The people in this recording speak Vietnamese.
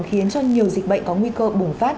khiến cho nhiều dịch bệnh có nguy cơ bùng phát